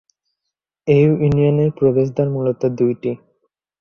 এই ইউনিয়নের প্রবেশদ্বার মূলত দুইটি।